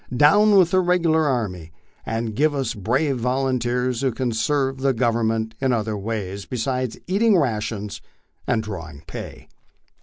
Down with the regular army, and give us brave volunteers who can serve the Government in other ways be sides eating rations and drawing pay."